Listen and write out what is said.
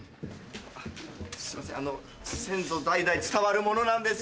すいません先祖代々伝わるものなんです。